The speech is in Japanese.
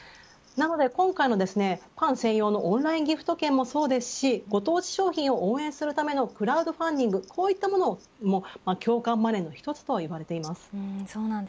なので今回のパン専用のオンラインギフト券もそうですしご当地商品を応援するためのクラウドファンディングこういったものも共感マネーの一つといわれています。